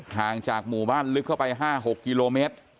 ห่างจากหมู่บ้านลึกเข้าไป๕๖กิโลเมตร